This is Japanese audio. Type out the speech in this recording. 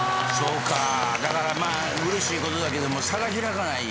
だからうれしいことだけども差が開かないね。